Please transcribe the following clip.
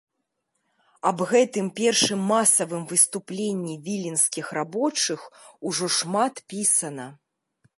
Аб гэтым першым масавым выступленні віленскіх рабочых ужо шмат пісана.